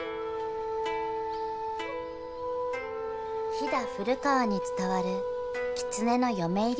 ［飛騨古川に伝わるきつねの嫁入り